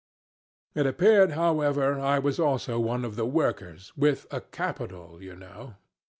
It appeared, however, I was also one of the Workers, with a capital you know.